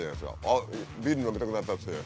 「あっビール飲みたくなった」っつって。